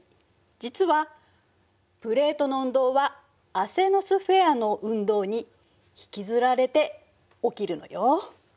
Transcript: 実はプレートの運動はアセノスフェアの運動に引きずられて起きるのよ。